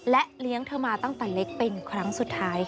และเลี้ยงเธอมาตั้งแต่เล็กเป็นครั้งสุดท้ายค่ะ